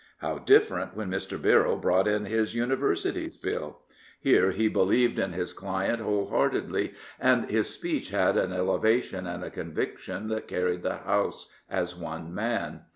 How different when Mr. Birrell brought in his Universities Bill I Here he believed in his client whole heartedly, and his speech had an elevation and a conviction that carried the House as one man.